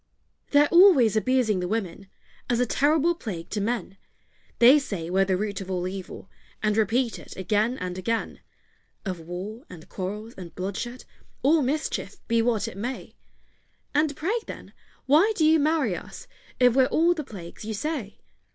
They're always abusing the women, As a terrible plague to men: They say we're the root of all evil, And repeat it again and again; Of war, and quarrels, and bloodshed, All mischief, be what it may! And pray, then, why do you marry us, If we're all the plagues you say?